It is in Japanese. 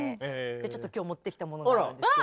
ちょっと今日持ってきたものがあるんですけど。